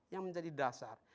yang menjadi dasar